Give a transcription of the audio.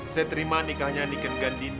saya terima nikahnya iken ganti di putri